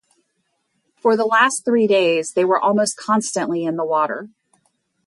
For the last three days they were almost constantly in the water.